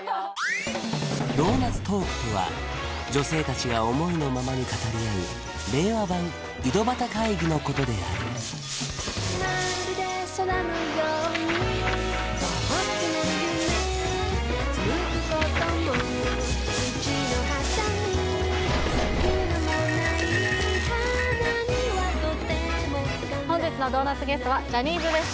ドーナツトークとは女性達が思いのままに語り合う令和版井戸端会議のことである本日のドーナツゲストはジャニーズＷＥＳＴ